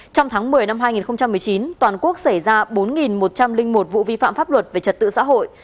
trong tháng một mươi năm hai nghìn một mươi chín toàn quốc xảy ra bốn một trăm linh một vụ vi phạm pháp luật về trật tự xã hội